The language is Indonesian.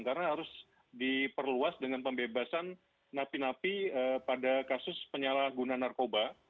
karena harus diperluas dengan pembebasan napi napi pada kasus penyalahguna narkoba